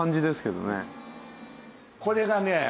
これがね